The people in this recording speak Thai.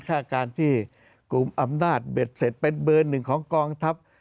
ฆ่าการที่กลุ่มอำนาจเบ็ดเสร็จเป็นเบอร์หนึ่งของกองทัพ